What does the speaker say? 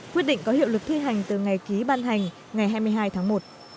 quyết định có hiệu lực thi hành từ ngày ký ban hành ngày hai mươi hai tháng một